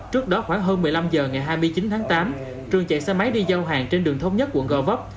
trước đó khoảng hơn một mươi năm h ngày hai mươi chín tháng tám trường chạy xe máy đi giao hàng trên đường thông nhất quận gò vấp